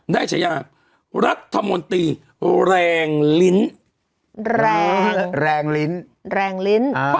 ฉายารัฐมนตรีแรงลิ้นแรงแรงลิ้นแรงลิ้น